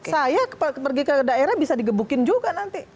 saya pergi ke daerah bisa digebukin juga nanti